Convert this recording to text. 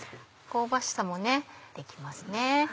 香ばしさも出来ますね。